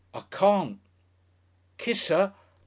"I carn't. "Kiss 'er!"